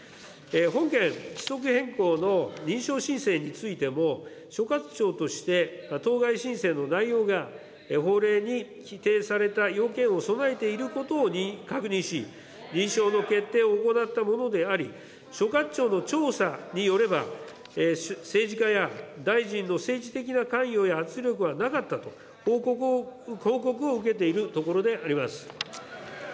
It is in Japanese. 本件、規則変更の認証申請についても、所轄庁として当該申請の内容が法令に規定された要件を備えていることを確認し、認証の決定を行ったものであり、所轄庁の調査によれば、政治家や大臣の政治的な関与や圧力はなかったと報告を受けているところであります。